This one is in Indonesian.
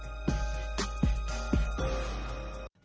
di indonesia sendiri kepercayaan tentang hantu sudah ada sejak zaman dahulu kala